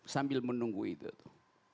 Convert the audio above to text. sambil menunggu itu